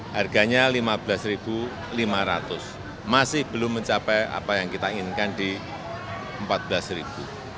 harganya rp lima belas lima ratus masih belum mencapai apa yang kita inginkan di rp empat belas